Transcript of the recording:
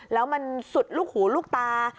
แล้วมันสุดลูกหูลูกตา